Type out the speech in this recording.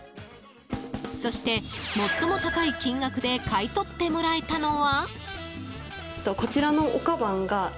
そして、最も高い金額で買い取ってもらえたのは？